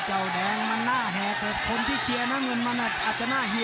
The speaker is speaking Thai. เจ้าแดงมันหน้าแหกคนที่เชียร์นั้นมันอาจจะหน้าเหี่ยว